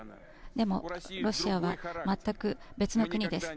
でもロシアは全く別の国です。